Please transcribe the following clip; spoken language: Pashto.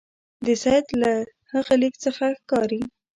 د سید له هغه لیک څخه ښکاري.